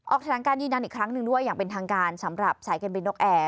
แถลงการยืนยันอีกครั้งหนึ่งด้วยอย่างเป็นทางการสำหรับสายการบินนกแอร์